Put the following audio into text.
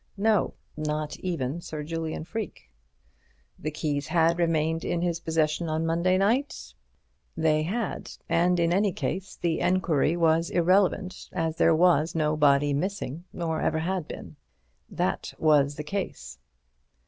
No, not even Sir Julian Freke. The keys had remained in his possession on Monday night? They had. And, in any case, the enquiry was irrelevant, as there was no body missing, nor ever had been. That was the case.